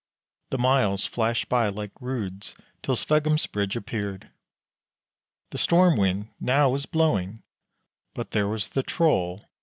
The miles flashed by like roods till Sveggum's bridge appeared. The storm wind now was blowing, but there was the Troll.